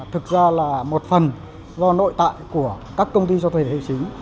thực ra là một phần do nội tại của các công ty cho thuê hành chính